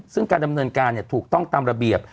ซึ่งการดำเนินการถูกต้องตามระเบียบ